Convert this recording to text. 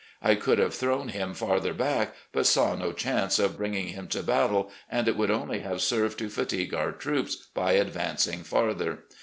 I could have thrown him farther back, but saw no chance of bringing him to battle, and it would only have served to fatigue our troops by advancing farther.